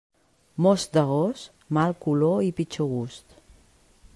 Most d'agost, mal color i pitjor gust.